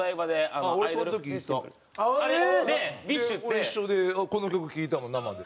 俺一緒でこの曲聴いたもん生で。